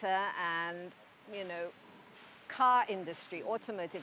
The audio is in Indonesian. dan anda tahu industri mobil